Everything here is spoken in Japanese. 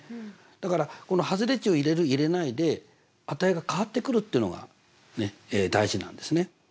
だからこの外れ値を入れる入れないで値が変わってくるっていうのがね大事なんですね。